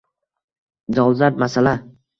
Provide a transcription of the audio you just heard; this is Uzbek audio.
– dolzarb masala.